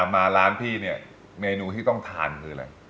มาร้านพี่เนี่ยเมนูที่ต้องทานคืออะไร